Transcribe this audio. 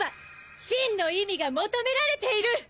真の意味が求められている！